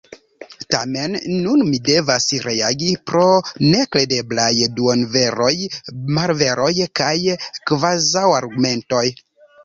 Tamen nun mi devas reagi pro nekredeblaj duonveroj, malveroj kaj kvazaŭargumentoj.